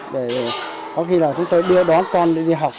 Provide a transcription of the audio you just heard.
để có khi là chúng tôi đưa đón con đi học